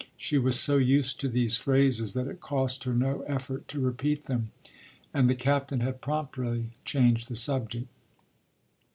She was so used to these phrases that it cost her no effort to repeat them. And the captain had promptly changed the subject.